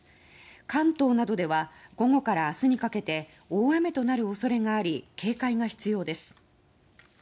関東などでは午後から明日にかけて大雨となる恐れがあり警戒が必要です。